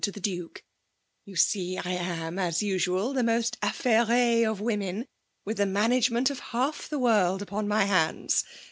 to tlie Dsske* You see I am» aa uauaL the most (ijgfairee oC womfiou with the management o£ hall the world upon my handa!